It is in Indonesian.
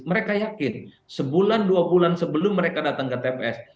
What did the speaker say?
mereka yakin sebulan dua bulan sebelum mereka datang ke tps